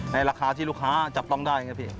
ในราคาที่ลูกค้าจับต้องได้ครับพี่